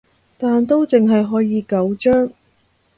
但都淨係可以九張